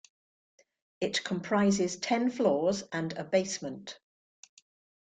It comprises ten floors and a basement.